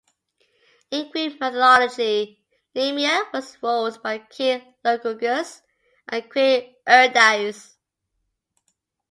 In Greek mythology, Nemea was ruled by king Lycurgus and queen Eurydice.